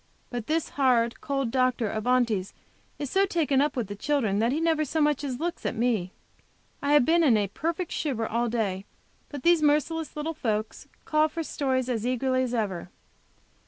But this hard, cold doctor of Aunty's is so taken up with the children that he never so much as looks at me. I have been in a perfect shiver all day, but these merciless little folks call for stories as eagerly as ever.